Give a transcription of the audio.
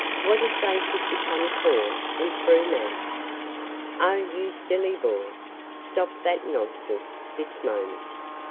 What if they should become poor, and through me!" "Oh, you silly boy! Stop that nonsense this moment.